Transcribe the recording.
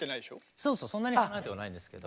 そうそんなに離れてはないんですけど。